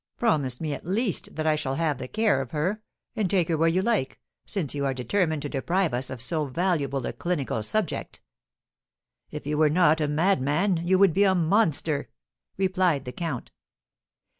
Promise me, at least, that I shall have the care of her, and take her where you like, since you are determined to deprive us of so valuable a clinical subject." "If you were not a madman, you would be a monster!" replied the count.